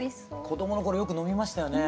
子どもの頃よく飲みましたよね？